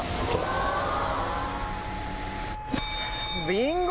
ビンゴ！